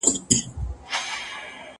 زه اوس ليکلي پاڼي ترتيب کوم.